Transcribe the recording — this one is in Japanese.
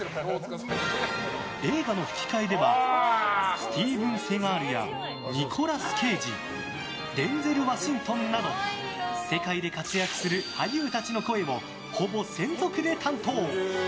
映画の吹き替えではスティーブン・セガールやニコラス・ケイジデンゼル・ワシントンなど世界で活躍する俳優たちの声をほぼ専属で担当。